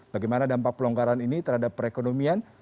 bagaimana dampak pelonggaran ini terhadap perekonomian